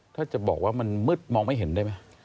ถ้าจะบอกว่ามันมืดมองไม่เห็นได้ไหม